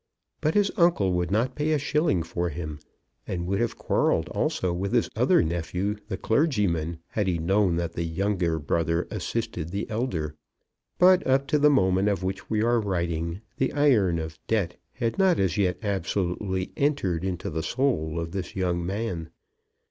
But his uncle would not pay a shilling for him, and would have quarrelled also with his other nephew, the clergyman, had he known that the younger brother assisted the elder. But up to the moment of which we are writing, the iron of debt had not as yet absolutely entered into the soul of this young man.